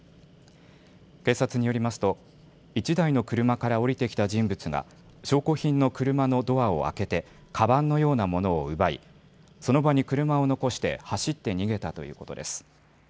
警察によりますと１台の車から降りてきた人物が証拠品の車のドアを開けてかばんのようなものを奪いその場に車を残して走って逃げたということです。